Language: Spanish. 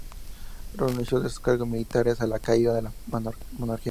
Renunció de sus cargos militares a la caída de la monarquía.